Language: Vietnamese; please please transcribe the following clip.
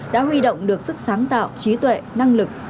đã huy động được sức sáng tạo trí tuệ năng lực